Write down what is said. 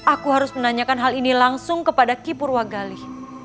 aku harus menanyakan hal ini langsung kepada ki purwa gali